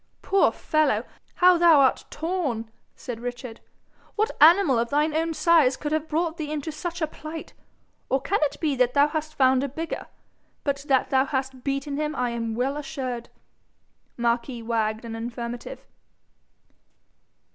'Poor fellow, how thou art torn!' said Richard. 'What animal of thine own size could have brought thee into such a plight? Or can it be that thou hast found a bigger? But that thou hast beaten him I am well assured.' Marquis wagged an affirmative.